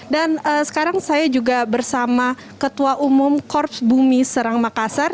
dan sekarang saya juga bersama ketua umum korps bumi serang makassar